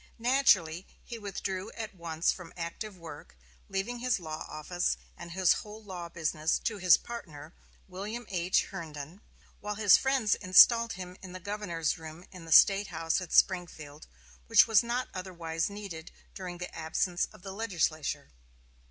Naturally, he withdrew at once from active work, leaving his law office and his whole law business to his partner, William H. Herndon; while his friends installed him in the governor's room in the State House at Springfield, which was not otherwise needed during the absence of the legislature.